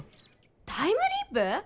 タイムリープ？